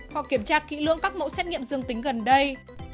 họ kiểm tra kỹ lượng các mẫu xét nghiệm dương tính gần đây